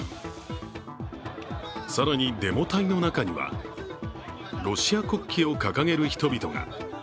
更に、デモ隊の中にはロシア国旗を掲げる人々が。